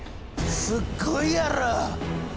すっごいやろ！